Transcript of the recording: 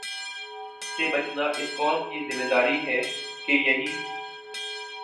سے بچانا اس قوم کی ذمہ داری ہے کہ یہی